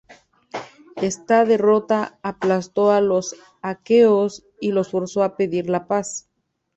Esta derrota aplastó a los aqueos y los forzó a pedir la paz.